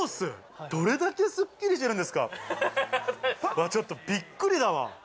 うわっ、ちょっとびっくりだわ。